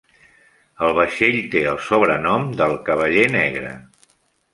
El vaixell té el sobrenom de "El Cavaller Negre".